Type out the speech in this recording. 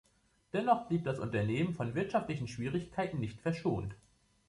Dennoch blieb das Unternehmen von wirtschaftlichen Schwierigkeiten nicht verschont.